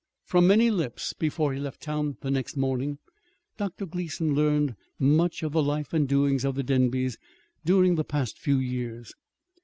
From many lips, before he left town the next morning, Dr. Gleason learned much of the life and doings of the Denbys during the past few years.